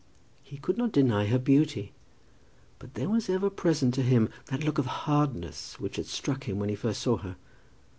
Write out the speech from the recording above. He could not deny her beauty. But there was ever present to him that look of hardness which had struck him when he first saw her.